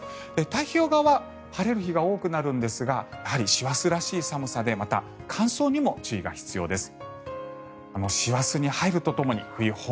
太平洋側は晴れる日が多くなるんですがやはり師走らしい寒さでまた乾燥にも注意が必要です。